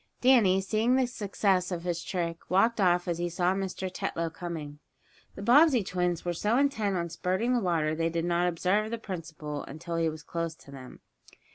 Danny, seeing the success of his trick, walked off as he saw Mr. Tetlow coming. The Bobbsey twins were so intent on spurting the water that they did not observe the principal until he was close to them.